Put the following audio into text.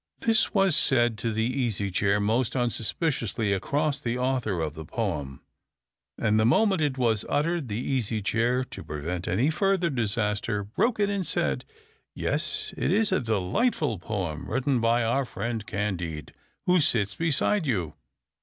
This was said to the Easy Chair most unsuspiciously across the author of the poem, and the moment it was uttered, the Easy Chair, to prevent any further disaster, broke in and said, "Yes, it is a delightful poem, written by our friend Candide, who sits beside you.